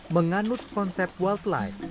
menganut konsep wildlife